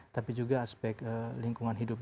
tapi juga aspek lingkungan hidup